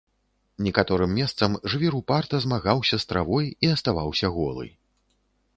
Некаторым месцам жвір упарта змагаўся з травой і аставаўся голы.